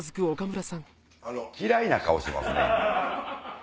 嫌いな顔しますね。